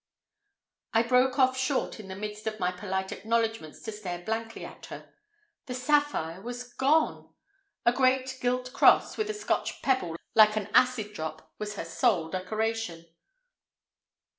I broke off short in the midst of my polite acknowledgments to stare blankly at her. The sapphire was gone! A great gilt cross, with a Scotch pebble like an acid drop, was her sole decoration.